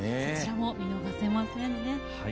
そちらも見逃せませんね。